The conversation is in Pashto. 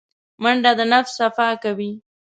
منډه د نفس صفا کوي